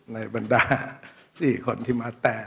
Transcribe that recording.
ในบรรดาสี่คนที่มาแต่